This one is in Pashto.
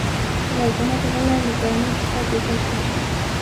راګونات غلی له صحنې څخه ګوښه شو.